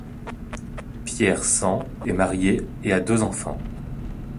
Pierre Sang est marié et a deux enfants.